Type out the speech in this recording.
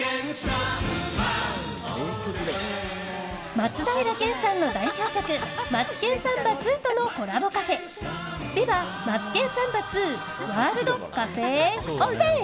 松平健さんの代表曲「マツケンサンバ２」とのコラボカフェビバマツケンサンバ２ワールドカフェオレ！